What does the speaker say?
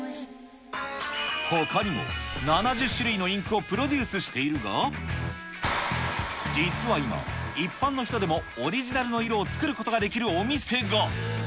ほかにも、７０種類のインクをプロデュースしているが、実は今、一般の人でもオリジナルの色を作ることができるお店が。